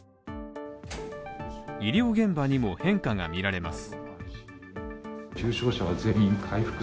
医療現場にも変化が見られます。